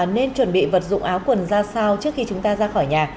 nên chuẩn bị vật dụng áo quần ra sao trước khi chúng ta ra khỏi nhà